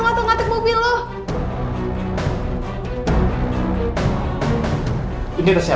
bagaimana kenapa mu punya conservation actnya